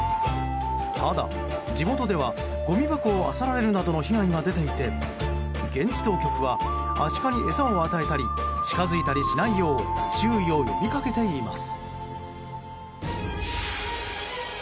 ただ、地元ではごみ箱をあさられるなどの被害が出ていて現地当局はアシカに餌を与えたり近づいたりしないよう注意を呼びかけています。